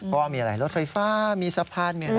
ก็มีอะไรรถไฟฟ้ามีสะพานมีอะไร